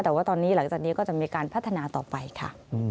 แต่ว่าตอนนี้หลังจากนี้ก็จะมีการพัฒนาต่อไปค่ะ